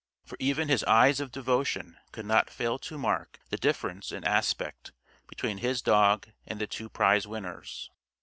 For even his eyes of devotion could not fail to mark the difference in aspect between his dog and the two prize winners.